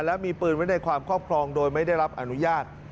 และมีปืนไว้ในความครอบครองโดยไม่ได้รับอนุญาต